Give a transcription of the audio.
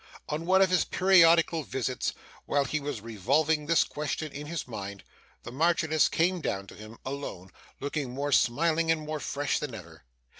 On one of his periodical visits, while he was revolving this question in his mind, the Marchioness came down to him, alone, looking more smiling and more fresh than ever.